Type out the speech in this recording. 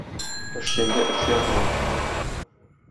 Эшчәнгә эш язган.